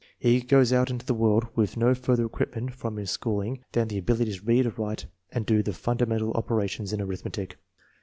He goes out into the world with no further equipment from his schooling than the abil ity to read, write, and do the fundamental operations in arithmetic.